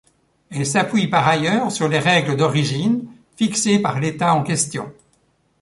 Elles s'appuient par ailleurs sur les règles d'origine fixées par l'Etat en question.